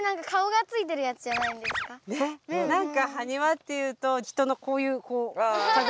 なんかはにわっていうと人のこういうこう形。